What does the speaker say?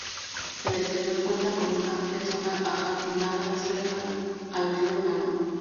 El exterior cuenta con una amplia zona ajardinada cercana al río Nalón.